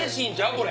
これ。